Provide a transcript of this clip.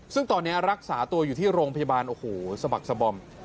ซึ่งตอนนี้รักษาตัวอยู่ที่โรงพยาบาลโอ้โหสะบักสบอม